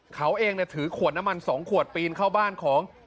เขาเองถือขวดน้ำมัน๒ขวดปีนเข้าบ้านของ